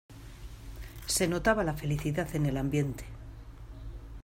Se notaba la felicidad en el ambiente.